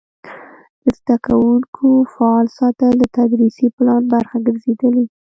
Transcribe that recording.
د زده کوونکو فعال ساتل د تدریسي پلان برخه ګرځېدلې.